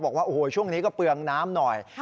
บอกว่าโอ้โหช่วงนี้ก็เปลืองน้ำหน่อย